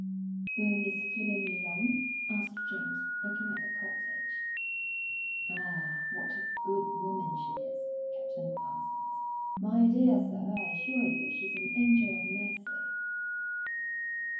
"Will Miss Clibborn be long?" asked James, looking at the cottage. "Ah, what a good woman she is, Captain Parsons. My dear sir, I assure you she's an angel of mercy."